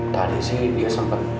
tadi sih dia sempat